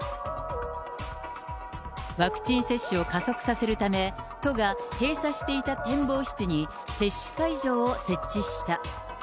ワクチン接種を加速させるため、都が閉鎖していた展望室に接種会場を設置した。